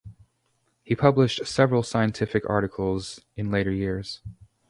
He published several scientific articles in later years.